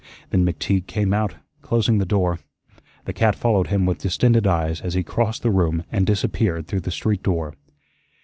Then McTeague came out, closing the door. The cat followed him with distended eyes as he crossed the room and disappeared through the street door.